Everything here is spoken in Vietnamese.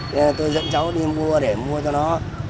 nên tôi dẫn cháu đi mua để mua cho nó